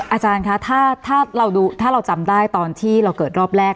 อาจารย์คะถ้าเราจำได้ตอนที่เราเกิดรอบแรก